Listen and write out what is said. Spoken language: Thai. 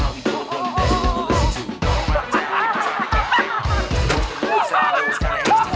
และช่วงนี้คือช่วงโชว์ม่าสนุกค่ะ